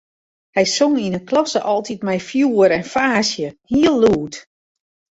Hy song yn 'e klasse altyd mei fjoer en faasje, hiel lûd.